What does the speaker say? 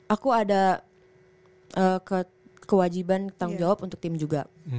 aku ada kewajiban tanggung jawab untuk tim juga